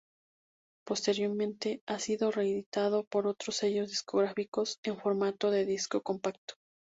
Posteriormente ha sido reeditado por otros sellos discográficos en formato de Disco compacto.